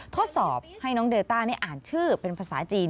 ทดสอบให้น้องเดลต้าอ่านชื่อเป็นภาษาจีน